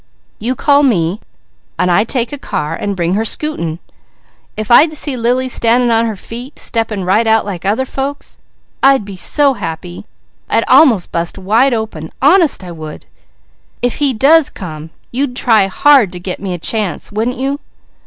You call me, I take a car and bring her scooting! If I'd see Lily standing on her feet, stepping right out like other folks, I'd be so happy I'd almost bust wide open. Honest I would! If he does come, you'd try hard to get me a chance, wouldn't you?"